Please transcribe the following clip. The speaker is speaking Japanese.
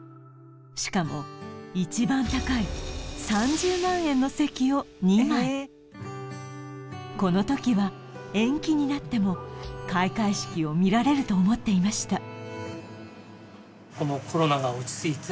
しかも一番高い３０万円の席を２枚この時は延期になっても開会式を見られると思っていました